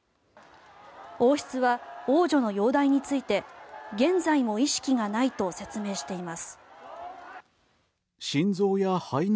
王室は王女の容体について現在も意識がないと説明しています。